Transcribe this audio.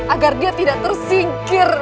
agar dia tidak tersingkir